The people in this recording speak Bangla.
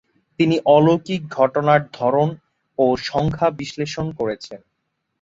তিনি অলৌকিক ঘটনার ধরন ও সংখ্যা বিশ্লেষণ করেছেন।